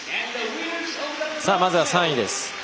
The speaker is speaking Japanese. まずは３位です。